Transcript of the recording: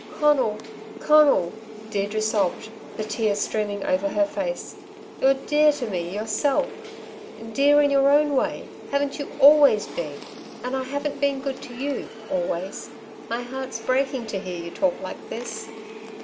"Conal, Conal," Deirdre sobbed, the tears streaming over her face. "You're dear to me, yourself dear in your own way. Haven't you always been and I haven't been good to you always. My heart's breaking to hear you talk like this."